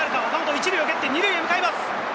１塁を蹴って２塁へ向かいます。